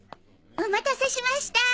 お待たせしました。